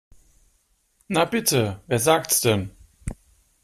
Na bitte, wer sagt's denn?